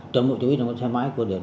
trộm bộ chủ yếu trong xe máy của đối tượng